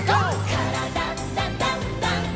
「からだダンダンダン」